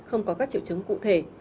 không có các triệu chứng cụ thể